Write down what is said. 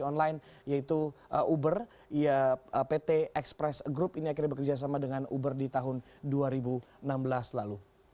online yaitu uber pt express group ini akhirnya bekerjasama dengan uber di tahun dua ribu enam belas lalu